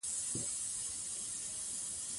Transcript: پښتانه به د خپل وطن دفاع کړې وي.